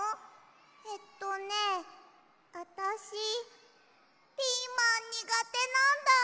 えっとねあたしピーマンにがてなんだ！